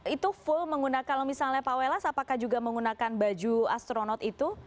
itu full menggunakan kalau misalnya pak welas apakah juga menggunakan baju astronot itu